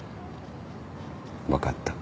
分かった。